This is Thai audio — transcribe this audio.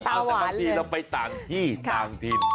เอาแต่บางทีเราไปต่างที่ต่างถิ่น